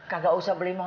kagak usah beli motor